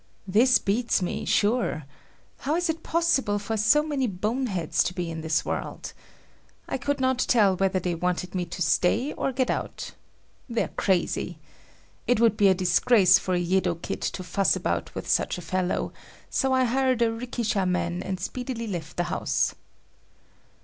This beats me, sure. How is it possible for so many boneheads to be in this world! I could not tell whether they wanted me to stay or get out. They're crazy. It would be disgrace for a Yedo kid to fuss about with such a fellow; so I hired a rikishaman and speedily left the house.